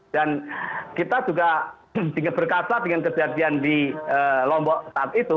dan kita juga berkasar dengan kejadian di lombok saat itu